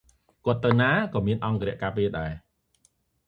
គាត់ទៅណាក៏មានអង្គរក្សការពារដែរ ។